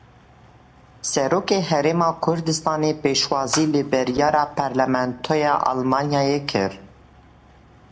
Serokê Herêma Kurdistanê pêşwazî li biryara Parlamentoya Almanyayê kir.